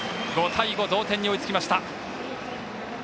５対５、同点に追いつきました。